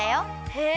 へえ！